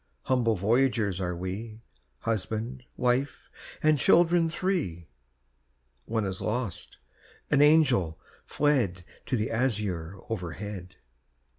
Humble voyagers are we, Husband, wife, and children three (One is lost an angel, fled To the azure overhead!)